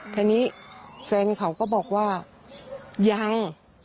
ทีนี้แฟนเขาก็บอกว่ายัง